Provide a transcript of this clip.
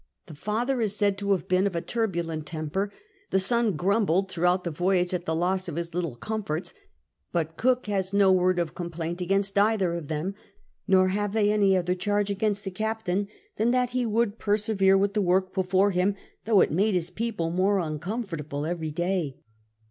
The father is said to have been of a turbulent temper: the son grumbled throughout the voyage at the loss of his little comforts ; but Cook has no word of complaint against either of them, nor have they any other charge against the captain than that he would persevere with the work before him, though it made his people more uncomfortable every day.